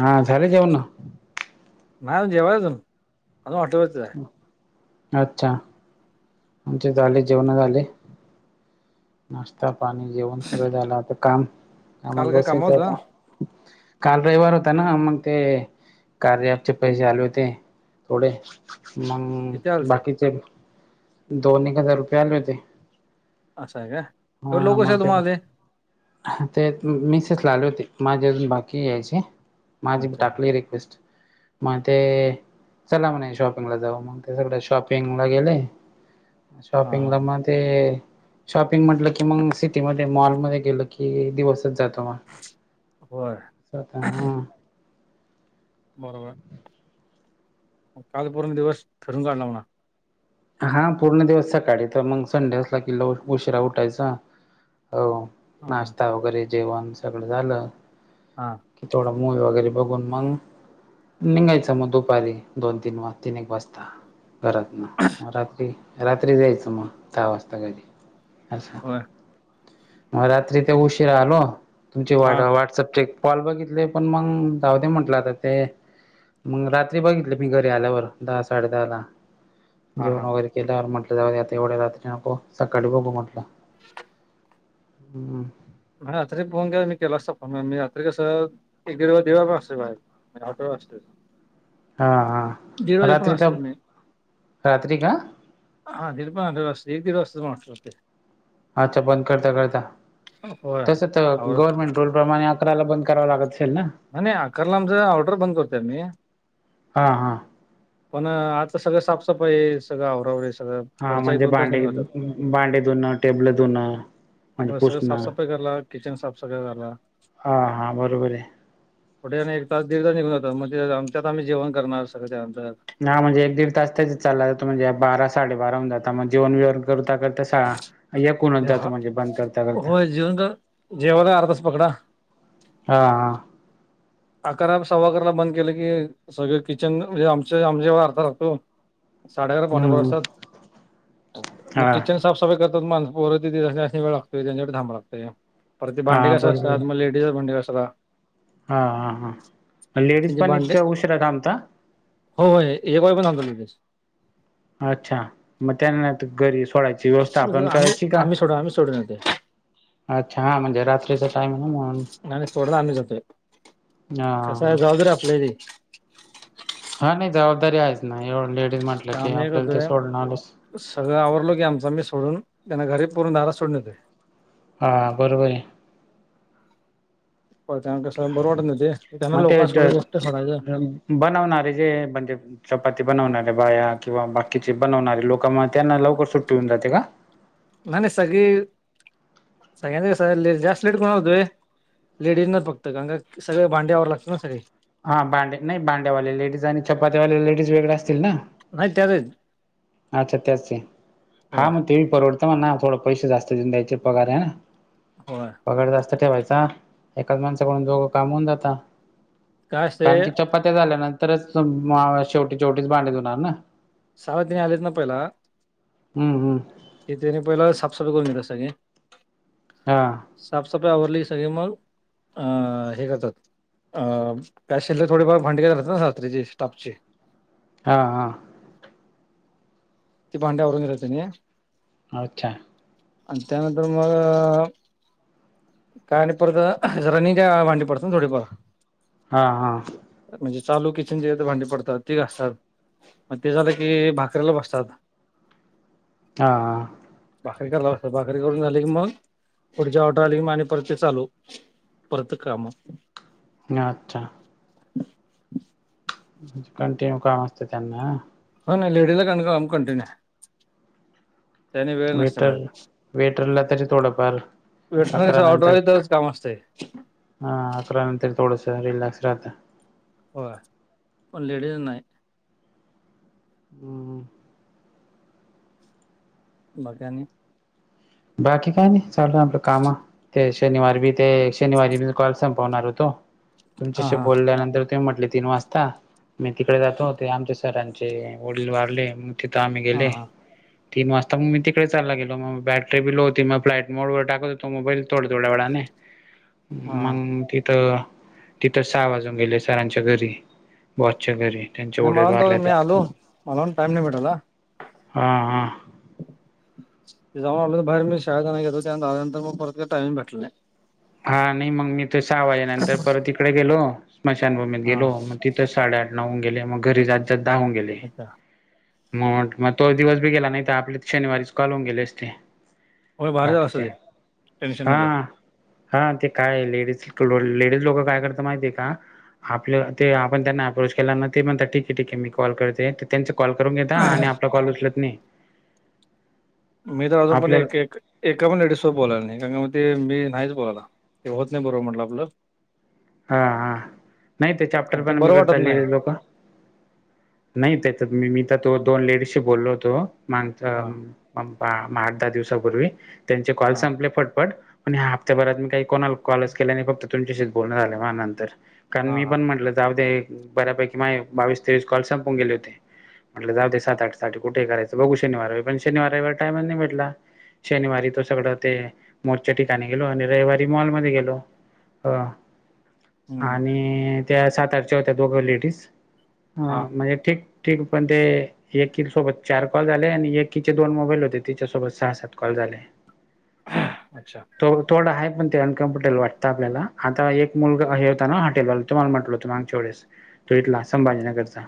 हा झालं जेवण. नाही जेवाय अजून अजून हॉटेल वरतीच आहे. अच्छा. आमचे झाले जेवणं झाले. नाश्ता पाणी जेवण सगळ झालं आता काम काल आमाला काय कामा बसायच होतं आता काल रविवारी होता ना मग ते कार्याचे पैसे आले होते थोडे मंग इथे आलते बाकीचे दोन एक हजार रुपये आले होते. असं आहे का हा लोक कसे मगं आहे तुम्हाला केलो. ते ते मिसेस ला आले होते माझे अजून बाकी हे यायचे. माझी भी अच्छा अच्छा टाकली रिक्वेस्ट. मग ते चला म्हणे शॉपिंगला जाऊ मग ते सगडे शॉपिंगला गेले. हां शॉपिंगला हां मग ते शॉपिंग म्हटलं की मग सिटी मध्ये मॉलमध्ये गेलं की दिवसच जातो मग होय हो का हा.. बरोबर हाय काल पूर्ण दिवस फिरून काढला म्हणा हा पूर्ण दिवस सकाळी तर मग संडे असला गेल्यावरं उशिरा उठायचा. हो हां हां नाश्ता वगैरे जेवण सगळं झालं हा की थोडा मूल वगैरे बघून मग निघायच मग दुपारी दोन तीन वाज तीन एक वाजता घरात न म रात्री, रात्री जायचं मग दहा वाजता घरी असं बर मग रात्री ते उशीरा आलो तुमची हां व्हाट्सअप चेक कॉल बघितले पण मग जाऊदे म्हटलं आता ते मग रात्री बघितली मी घरी आल्यावर दहा साडे दहा ला हां जेवण हां वगैरे केल्यावर म्हटलं जाव्या आता एवढ्या रात्री नको सकाळी बघू म्हटलं. हम्म म रात्री फोन केल्यावर मी केला असता फोन मी रात्री कस एक दीड, दीड वाजेपर्यंत असतोय बाहेर मी हॉटेल वर असतोय हां हां पण रात्री त असते मी रात्री का? हा दीड पर्यंत हॉटेलवर असतोय एक दीड पर्यंत वाजतंय हॉटेल वरती अच्छा बंद करता करता होय तसं आवर गवर्नमेंट रोल प्रमाणे अकराला करायला बंद करावं लागत असेल ना नाही, नाही अकराला आमचं ऑर्डर बंद करतोय आम्ही हा हा पण आतलं सगळं साफसफाई सगळं आवराआवरी सगळं हा पुढचा एक म्हणजे दोन तास निघून जातात भांडे धुण, टेबल धुणं म्हणजे सगळं पुसणं साफसफाई कराला किचन साफ सगळं करायला हां हां बरोबर हाय पुढे आणी एक तास दीड तास निघून जातो म्हणजे त्यात आम्ही जेवण करणार सगळ आणी त्या नंतर. नाही म्हणजे एक दीड तास त्याच्याच चालला जातो म्हणजे बारा साडे बाराहून जात मग जेवण बिवन करता करता सगळा येक होऊन जातो हा म्हणजे बंद करता करता होय जेवण कर जेवायला अर्धा तास पकडा हा हा अकरा सव्वा अकराला बंद केलं की सगळं किचन म्हणजे आमच आमच्या जेवाय अर्धा तास लागतोय ओ साडे अरा पावणे बारा हम्म वाजत्यात हा मग किचन साफसफाई करतात मगं पोर ती त्यांसनी वेळ लागतोय त्याचा साठी थांबाय लागतय परत ते हा भांडी घासत बरोबर असत्यात मग त्या लेडीज भांडी घासायला हा हा हा लेडीज पण इतक्या उशीरा थांबतात हो होय एक वाजेपर्यंत थांबत्यात लेडीज अच्छा मग त्याना घरी सोडायची व्यवस्था आपण आम्ही करायची का? आम्ही सोडा आम्ही सोडून येतोय अच्छा हा म्हणजे रात्रीचा टाइम म्हणून आणि सोडायला आम्ही जातोय हा कसं आहे जबाबदारी आपली आहे ती हा नाही जबाबदारी आहेच ना एवढ लेडीज म्हटलं की आम्ही काय करतोय आपल्याला ते सोडणारचं सगळं आवरल की आमचा मी सोडून त्यांना घरी पूर्ण दारात सोडून येतोय हा बरोबर हे प त्यांना कसं बरं वाटत नाही ते त्यांना मग ते लोकां ज थोडं गोष्ट करायचं. बनवणारे जे म्हणजे चपाती बनवणारे बाया किंवा बाकीचे बनवणारे लोक म त्यांना लवकर सुट्टी होऊन जाते का. ना ना सगळी सगळयांना ब्रेसलेट बनवत होती. लेडीज न फक्त गगा सगळे भांडे आवरावे लागतं ना सगळे हा भांडे नाही भांड्यावाले लेडीज आणि चपात्यावाले लेडीज वेगळे असतील ना, नाही त्यातच अच्छा त्याचचे हा होय म ते परवडतं म ना थोडं पैसे जास्त घेऊन द्यायचे पगार ना होय. पगार जास्त ठेवायचा एकाच माणसाकडून दोघं काम होऊन जाता. काय कारण असतंय की चपात्या झाल्यानंतरच शेवटी शेवटीच भांडे धुणार ना. साव दिने आलेत ना पहिला हम्म हम्म. ते त्याने पहिला साफसफाई करून देत सगळे. हा. साफसफाई आवरली सगळी मग अ हे करतात. अ काही शिल्लक थोडीफार भांडी राहात रात्रीची स्टाफची. हां हां. ती भांडे आवरून घेता त्यानी. अच्छा. आणि त्यानंतर मग काय आणि परत रनिंगच्या भांडी पडत ना थोडीफार- हा हा. म्हणजे चालू किचन जे भांडी पडतात ती घासतात. मग ते झालं की भाकरीेला बसतात. हा हा. भाकरी करालात भाकरी करून झाली की मग पुढची ऑर्डर आली की मग आणि परत ते चालू. परत काम अच्छा. कंटिन्यू काम असते त्यांना हो ना लेडीज ला का काम कंटिन्यू आहे. त्यानी वेळ नसत वेटर मग वेटरला तरी थोडंफार वेटरची अकरा ऑर्डर नंतर आली त्यावे काम असतय. हा अकरा नंतर थोडस रिलॅक्स राहत. होय पण लेडीज नाही. हम्म. बाकी आणी. बाकी काय नाही चाललं आपलं काम ते शनिवार भी ते शनिवारी मी काल संपवणार होतो हा तुमच्याशी हा बोलल्यानंतर ते म्हटले तीन वाजता मी तिकडे जातो ते आमच्या सरांचे वडील वारले. तिथं आम्ही हा गेले हा तीन वाजता मग मी तिकडे चालला गेलो मग बॅट बी लो होती म फ्लाइट मोड वर टाकत होतो मोबाईल थोड थोडा वेळाने. हा मग तिथं तिथं सहा वाजून गेले सरांच्या घरी बॉसच्या घरी त्यांचे नाही वडील मलाण त वारले मी त्यात आलो मला पण टाईम नाही भेटला. हां हां. जाऊन आलं बाहेर मी शाळत आण्याला गेलेलो त्या आल्यानंतर मग परत का टाईमिंग भेटला नय. हा नाही मग मीथ सहा वाजेनंतर परत इकडे गेलो स्मशानभूमीत हा गेलो मग तिथं साडेआठ नऊ होऊन गेले, मग घरी जात जात दहा हुन गेले. [inaudible] म मग तो दिवस बी गेला, नाही आपले शनिवारीच कॉल होऊन गेले असते,, होय भारी झालं बाकीचे, असं ते टेन्शन नव्हतं हां, हा ते काय लेडीज लेडीज लोकं काय करत माहितीय का आपलं ते आपण त्यांना अप्रोच केला ना ते म्हणत ठीक आहे ठीक आहे मी कॉल करते त्यांच कॉल करून घेता आणि आपलं कॉल उचलत नाही मी तर अजून पण आपल्याला एक एक एका पण लेडीजसोबत बोला नाही का का मग ते मी नाहीच बोलायला ते होत नाही बरोबर म्हटलं आपलं हा हा नाही ते चॅप्टर आणि पण मी बरं वाटत करता नाही. लोक नाही त्याच्या मी तर तो दोन लेडीजशी बोललो होतो, मग हां, म आठ दहा दिवसापूर्वी, त्यांचे कॉल हां, संपले फटफट पण ह्या हप्त्याभरात मी काही कोणाला कॉलच केल्या नाही, फक्त तुमच्याशी बोलण आलं मा नंतर, कारण हां, मी हां. पण म्हटलं, जाऊदे, बऱ्यापैकी माझ बावीस तेवीस कॉल संपून गेले होते. म्हटलं जाऊ दे, सात आठ साठी कुठे करायचं, बघू शनिार रविववार, पण शनिावार रविवार टायमच नाही भटला, अं, शनिवारी तो सगळं ते, मोर्च्या ठिकाणी गेलो, आणि रविवारी मॉलमध्ये गेलो, हां, हं. आणि त्या सात आठच्या होत्या दोघं लेडीज, हां. म्हणजे ठीक ठीक पंन ते एकी सोबत चार कॉल झाले, आणि एकीचे दोन मोबाईल होते, तिच्यासोबत सहा सात कॉल झाले. अच्छा, त थोडं हाय, पण ते अनकमफर्टेबल वाटतं आपल्याला. चा एक मुलग हे होता ना, हॉटेलला तुम्हाला म्हटल हो तुम वढेस तो, इथला संभाजीनगरचा.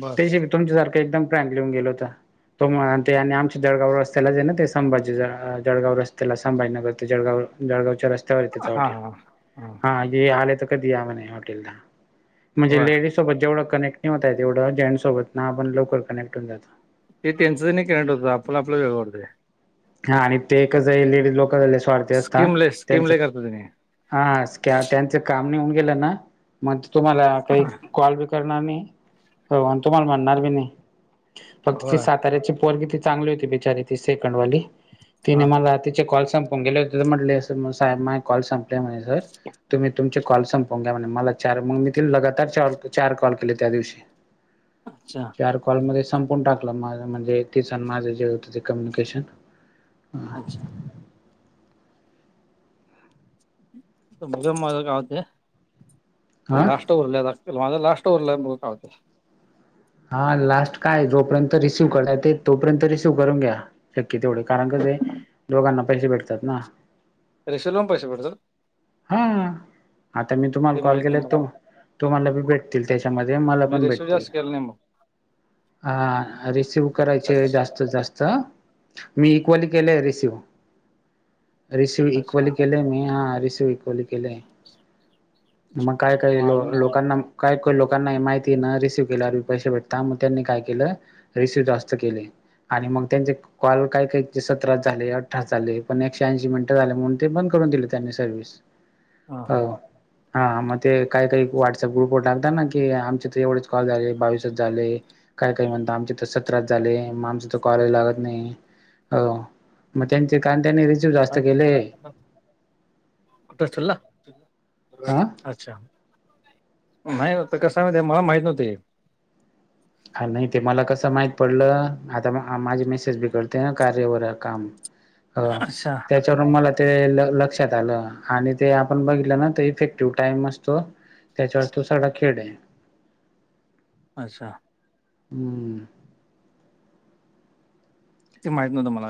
बरं. त्याशिब तुमच्यासारखं एकदम प्रँग लिहून गेलं होत. तो, ते आणि आमच्या जळगाव रस्तालाच आहे ना ते, संभाजी जळगाव रस्त्याला, संभाजीनगर ते जळगाव. जळगावच्या रस्ते हा ह, हम. हां, आले तर कधी या मने हॉटेलला, म्हणजे होय. लेडीज सोबत जेवढं कनेक्ट नाही होत, तेवढं जेंट सोबत आपण लवकर कनेक्ट होन जात. ते त्यांचं तनी कनेक्टट होतय, आपला आपलं वेगं वाटतय. हा, आणि ते कसय, लेडिज लोकांना वाटतय आता, स्कीम लय स्कीम त्यांचं लय करतात त्यांनी. अं, तेंच काम नै हुन गेलं ना, म ते तुम्हारा काय कॉल बि करनार नाही, हो, तुम्हाला म्हणणारी नाही, फक्त त होय. साताऱ्याची पोरगी चांगली होती बिचारी, ती सेकंडवाली, तिने हां. मला तिचे कॉल संप गेल होत तर म्हट माझे कॉल संपले सर, तुम्ही तुमचे कॉल संप पोंग्या म्हन मला चार, मग मी तिला लगातार चार, चार कॉल केले त्या दिवशी. अच्छा, चार कॉलमध्ये संपवून टाकलं, माझ म्हजे तिचं माझं जे होतं ते कम्युनिकेशन. अच्छा, मग माझ काय वतेय, [unintelligible] हा लास्ट. उरलेल आसतील, माझ लास्ट ऊरलाय मुतळ [unintelligible] टास्क हा, लास्ट काय, जोपर्यंत रिसिव्ह करण्यात एते,, तोपर्यंत रिसीव्ह करून घ्या. शक्य तेवढे, कारण कसेय, दोघांना पैसे भेटतात ना. रीसीवला पन पैसे पडतात? हा, आता मी तुम्हाला ते कॉल माहीत केले, नाही मला. तो तुमाला बी भेटतील त्याच्यामध्ये, मला मी पण रेशो भेटतील. जास्त केला नाही मग. हा, रिसीव करायचे जास्तित जास्त. मी इक्वली केलेय रिसीव्ह. रिसिव अच्छा. इक्वली केलय मी, हा, रिसिव्ह इक्वली केलय. मग काय काय लो माझं नाव. लोकांना काय लोकांना माहिती ना रिसीव्ह केल्यावर पैसे भेटता मग त्यांनी काय केलं रिसिव जास्त केले आणि मग त्यांचे कॉल काय काही सतराात झाले अठरा झाले पण एकशे ऐंशी मिनिटं झाले म्हणून ते बंद करून दिले त्यांनी सर्वि्हस हां, हां. हो. हा. मग ते काही, काही व्हॉट्सअप ग्रुपवर टाकतात ना. की आमचे तर एवढेच कॉल झाले, बावीसच झाले. काय काय म्हणत, आमचे तर सत्राच झाले, मग आमचं तर कॉलेच लागत नाही. हो मग त्यांचे कारण त्यांनी री ह, कुठे अस. हा अच्छा नाही कसंमा मला माहीत नव्हतं ए. हा नाही ते मला कसं माहित पडलं आता माझी मेसेज बि कडते ना कार्यवर काम हा अच्छा त्या त्याच्यावर मला ते लक्षात आलं आणि ते आपण बघितलं ना त इफेक्टिव्ह टाइम असतो. त्याच्यावर तो सगळा खेळ आहे. अच्छा. हम्म. ते माहित नव्हतं मला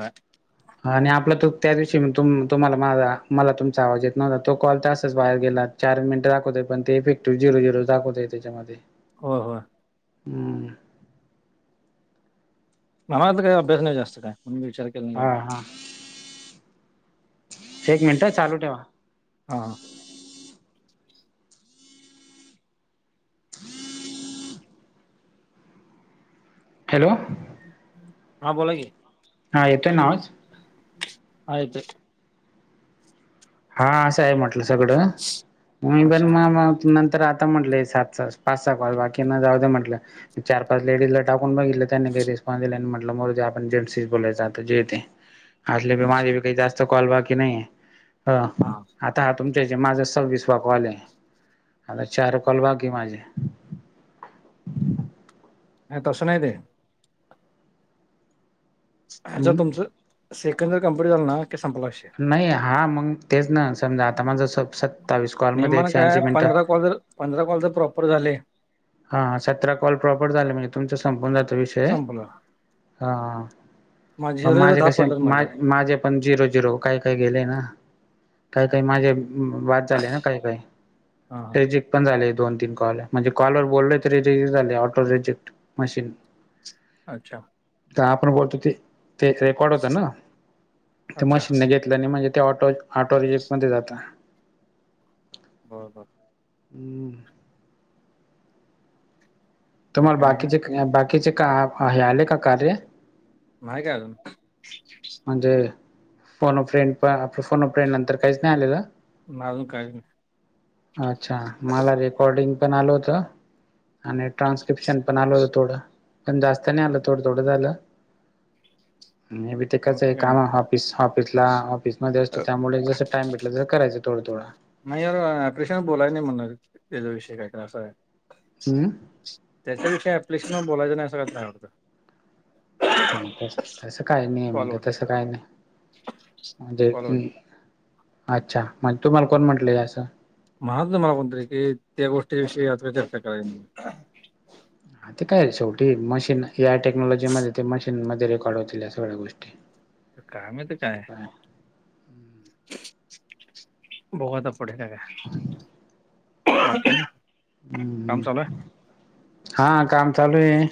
आणि आपला तो त्या दिवशी म तु तुम्हाला माझा मला तुमचा आवाज येत नव्हता तो कॉल तर असच बाहेर गेलात. चार मिनिट राखवतय पण ते इफेक्टिव्ह झिरो झिरो दाखतय त्याच्यामध्ये हो हो. हम्म. ममला तर काय अभ्या नाही जास्त काय म विचार. केला नाही हा काय हा. एक मिनिटं चालू ठेवा. हां हां. हॅलो. हा बोला की हा येतोय नावाच. आयत. हा असं आहे म्हटलं सगळं म पण अच्छा मग नंतर आता म्हटलं. सात पाच क बाकी जाऊ म्हटलं चार पाच लेडीजला टाकून बघ. त्यांनी काही रिस्पॉन् दि म्हटलं आप जेट्स बोलायचो जथ. असले माझे अच्छा बी काही जास्त कॉल बाकी नाही. हा. आता हा तुमच्या ज माझा सव्वीसवा कॉल आहे आता चार कॉल बाकी माझे. ह तश नाही आहे दे. हर हम्म तुचं सेकंड इयर कं्प्लीट झाल ना की संपलाे. नाही हा मग तेच ना समजा आता माझं सत्तावीस कॉलमध्येध्ये नेमानं एकशे ऐंशी काय मिनिटं. पंधरा कॉल जर पंधरा कॉल तर प्रॉपर झाले. हा सतरा कॉल प्रॉपर झाला म्हणजे तुमच संपून जातो विषय संपला हा प झिरो झिरो माझे दहा कसे पडलं मा माझे. पण झिरो झिरो काय काय गेले ना काय काही माझे. वाद झाले ना काही काही हा हा रज पण झाले दोन तीन कॉल म्हणजे कॉलर बोलले तरी झाले ऑटो रिजेक्ट मशीन अच्छा. तर आपण बोलतो ते ते रेकॉर्ड होत ना ते अच्छा मशीगेट म्हणजे ते ऑटो ऑटो रिक मध्ये जात. बर बर. हमम. तुम्हाला बाकी आणि काय बाकीचे बाकीचे का आहे आले का कार्य माय काय अजून म्हणजे फोनफ्रेंड प आपलं फोनफ्रेंड नंतर काहीच नाही आलेलं. नाही अजून काय नाही अच्छा, मला रेकॉर्डिंग पण आलं होतं. आणि ट्रान्स्क्रिप्शन पण आल होतं थोडं, पण जास्त नाही आलं थोडं थोडंच आलं. म्या बी ते मला कसंय काय नाही काम ऑफिस ऑफिसला ऑफिसमध्ये असतो, त्यामुळे जसं टाइम भेटल तसं करायचं थोडं थोडं. नाही अर [unintelligible] बोलायचं नाही म्हणणार त्याचा विषय काय तर असा आहे. म त्याच्याविषयी [unintelligible] वर बोलायचं नाही असं काही तरी हाय वाटतं. नाही तसं, तसं काही नियम आहे का? कॉलवरती तसं काही नाही, म्हणजे कॉलवरती अच्छा, मग तुम्हाला कोण म्हटलंय असं? म्हणालत मला कोणतरी, की त्या गोष्टी विषयी आता चर्चा करायची नाही. ह ते काय शेवटी मशीन ए या टेक्नॉलॉजी मध्ये ते मशीन मध्ये रेकॉर्ड होतील या सगळ्या गोष्टी. काम माहिती काय हाय? बघु आता पुढे काय हाय. काम हम्म चालूय? हा काम चालू आहे.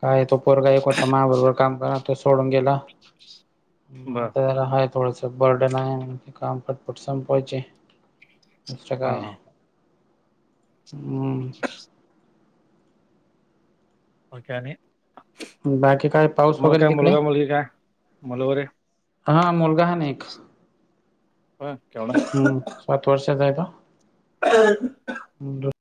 काय तो पोरगा एक होता माया बरोबर. काम कराय तो सोडून गेला, आहे मग बरं आता जरा हाय थोडंस बर्डन आहे, काम पटपट संपावायचे, दुसरं काय हां हां आहे. हम्म. मग काय आणि, बाकी काय पाऊस तुम्हाला वगैरे काय तिकडे? मुलगा मुलगी काय, मुलं वगैरे? हा मुलगा हाय ना एक, होय केवढं हम्म सात वर्षाचा आहे तो. [unintelligible] [unintelligible]